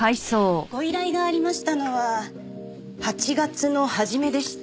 ご依頼がありましたのは８月の初めでした。